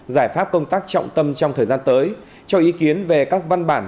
giải pháp công tác trọng tâm trong thời gian tới cho ý kiến về các văn bản